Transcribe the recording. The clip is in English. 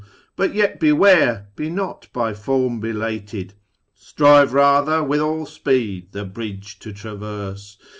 > But yet beware ! Be not by Form belated ; Strive rather wdth all speed the bridge to traverse.